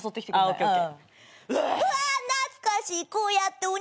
ＯＫＯＫ。